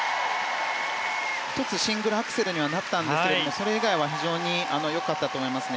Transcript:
１つシングルアクセルにはなったんですがそれ以外は非常に良かったと思いますね。